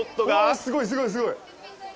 わあ、すごいすごいすごい！